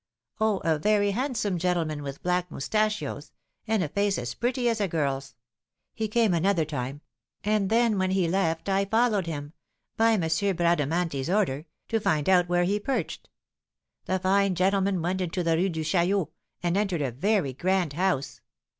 "Oh, a very handsome gentleman with black moustachios, and a face as pretty as a girl's. He came another time; and then, when he left, I followed him, by M. Bradamanti's order, to find out where he perched. The fine gentleman went into the Rue de Chaillot, and entered a very grand house.